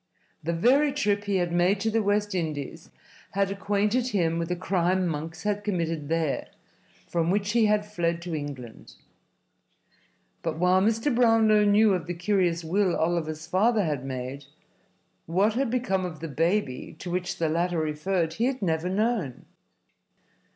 The very trip he had made to the West Indies had acquainted him with a crime Monks had committed there, from which he had fled to England. But, while Mr. Brownlow knew of the curious will Oliver's father had made, what had become of the baby to which the latter referred he had never known.